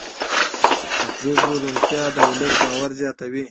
د پرېکړو روڼتیا د ولس باور زیاتوي